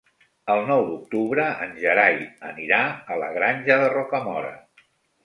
El nou d'octubre en Gerai anirà a la Granja de Rocamora.